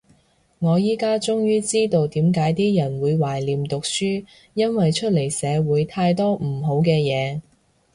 我依家終於知道點解啲人會懷念讀書，因為出嚟社會太多唔好嘅嘢